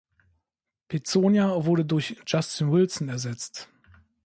Pizzonia wurde durch Justin Wilson ersetzt.